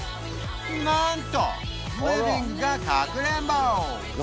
なんとリビングがかくれんぼ！